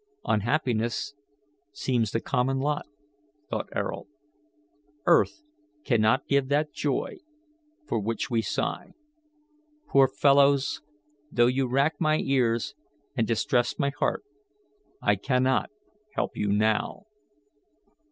"Unhappiness seems the common lot," thought Ayrault. "Earth cannot give that joy for which we sigh. Poor fellows! though you rack my ears and distress my heart, I cannot help you now."